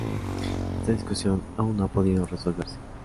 Esta discusión aún no ha podido resolverse.